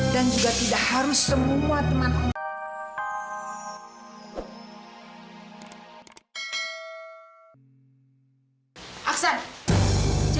dan juga tidak harus semua temanku